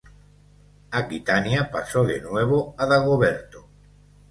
Aquitania pasó de nuevo a Dagoberto.